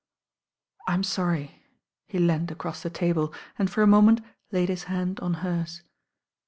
*^ "I'm .orry." He leaned across the table, and tor a moment laid his hand on hers.